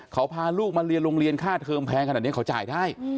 เขาพาลูกมาเรียนโรงเรียนค่าเทอมแพงขนาดนี้เขาจ่ายได้